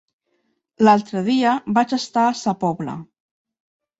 L'altre dia vaig estar a Sa Pobla.